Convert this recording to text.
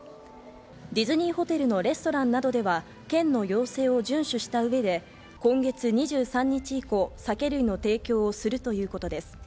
ディズニーホテルのレストランなどでは県の要請を遵守した上で、今月２３日以降、酒類の提供をするということです。